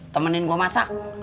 temenin gue masak